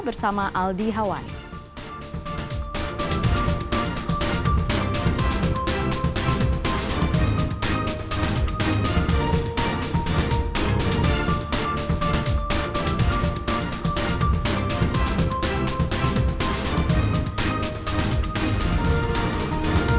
bersama aldi hawani